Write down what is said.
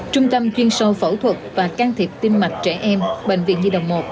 trung tâm chuyên sâu phẫu thuật và can thiệp tiêm mạch trẻ em bệnh viện nhi động một